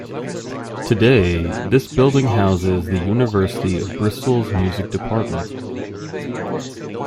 Today this building houses the University of Bristol's music department.